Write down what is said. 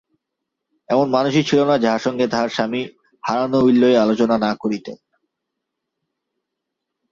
এমন মানুষই ছিল না যাহার সঙ্গে তাঁহার স্বামী হারানো উইল লইয়া আলোচনা না করিতেন।